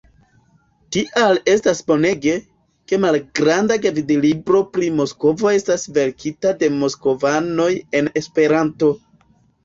Tial estas bonege, ke Malgranda gvidlibro pri Moskvo estas verkita de moskvanoj en Esperanto.